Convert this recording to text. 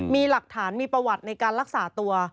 มีหลักฐานมีประวัติในการรักษาตัว